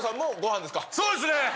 そうですね！